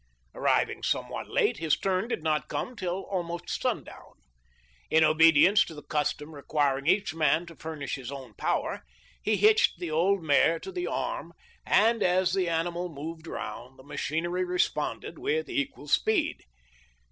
Arriving somewhat late, his turn did not come till almost sundown. In obedience to the custom requiring each man to furnish his own power he hitched the old mare to the arm, and as the animal moved round, the machinery responded with equal speed.